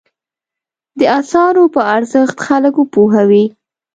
د اثارو په ارزښت خلک وپوهوي.